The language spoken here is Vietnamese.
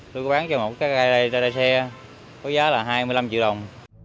tôi có bán cho một cái xe có giá là hai mươi năm triệu đồng